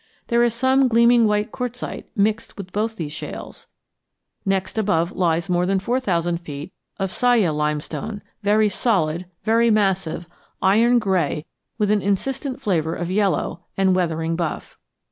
There is some gleaming white quartzite mixed with both these shales. Next above lies more than four thousand feet of Siyeh limestone, very solid, very massive, iron gray with an insistent flavor of yellow, and weathering buff.